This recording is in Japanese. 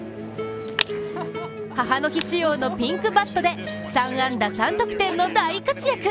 母の日仕様のピンクバットで３安打３得点の大活躍。